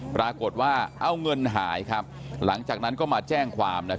ปรากฏว่าเอาเงินหายหลังจากนั้นก็มาแจ้งความ